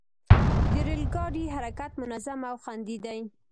د ریل ګاډي حرکت منظم او خوندي دی.